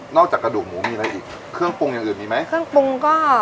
กระดูกหมูมีอะไรอีกเครื่องปรุงอย่างอื่นมีไหมเครื่องปรุงก็